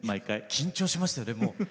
緊張しましたよね。